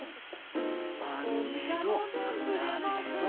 アルベド、フラベド。